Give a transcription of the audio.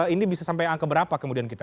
ini bisa sampai angka berapa kemudian kita